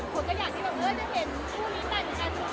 เหมือนคนก็อยากที่จะเห็นผู้นี้ต่างกัน